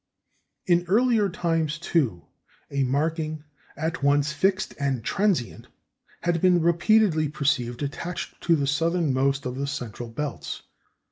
In earlier times, too, a marking "at once fixed and transient" had been repeatedly perceived attached to the southernmost of the central belts.